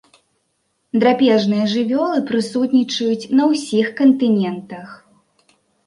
Драпежныя жывёлы прысутнічаюць на ўсіх кантынентах.